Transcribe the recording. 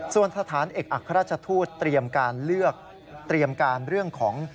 ส่วนสถานเอกอัครราชทธุทธ์เตรียมการเรื่อง